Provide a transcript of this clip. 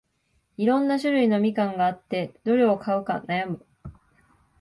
いろんな種類のみかんがあって、どれ買うか悩む